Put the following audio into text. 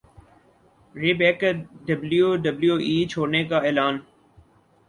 رے بیک کا W W E چھوڑنے کا اعلان